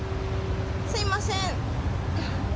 すみません。